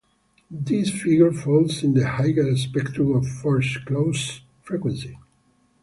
This figure falls in the higher spectrum of foreclosure frequency.